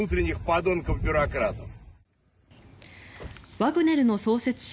ワグネルの創設者